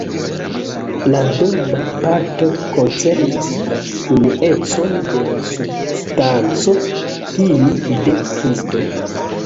La doma parto koncernas la unuecon de la substanco, tiu de Kristo.